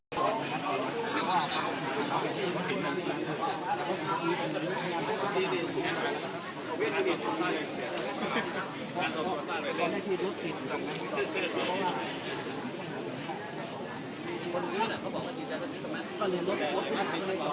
ท่านผู้ชมท่านท่านผู้หลักนี้นะคะ